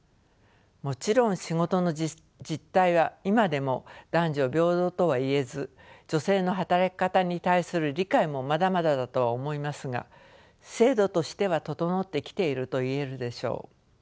もちろん仕事の実態は今でも男女平等とは言えず女性の働き方に対する理解もまだまだだとは思いますが制度としては整ってきていると言えるでしょう。